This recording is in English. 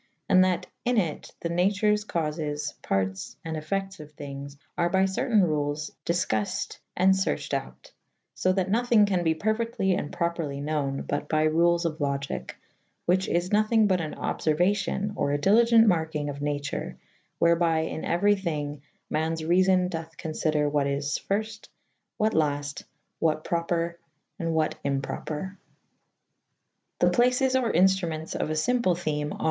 And that in it the natures, caufes, partis, and effectes of thinges ar by certayne rules difcuffid and ferchyd out / So that nothinge can be perfectly and propryely knowen but by rules of Logike[,] whiche is nothynge but an obferuacyon or a diligent markynge of nature / wherby in euery thynge mannes reafon dothe confyder what is fyrfte / what lafte / what propre / what impropre. The places or instrumentes of a lymple theme ar.